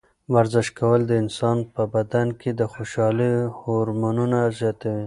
ورزش کول د انسان په بدن کې د خوشحالۍ هورمونونه زیاتوي.